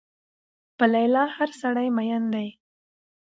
په لیلا هر سړی مين دی